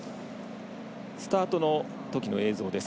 スタートのときの映像です。